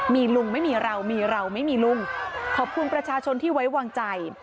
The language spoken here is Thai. มีลุงไม่มีเรามีเราไม่มีลุงขอบคุณประชาชนที่ไว้วางใจ